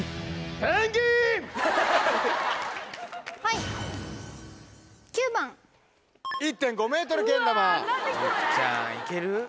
いくちゃんいける？